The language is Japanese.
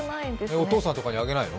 お父さんとかにあげないの？